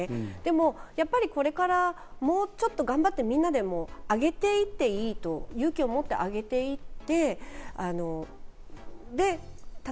でもやっぱりこれから、もうちょっと頑張って、みんなで上げていいっていい、勇気を持って上げていって。